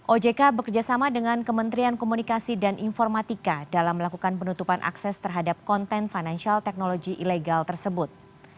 ojk bekerjasama dengan kementerian komunikasi dan informatika dalam melakukan penutupan akses terhadap konten financial technology ilegal tersebut